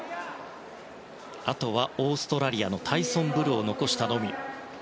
あとはオーストラリアのタイソン・ブルを残したのみ。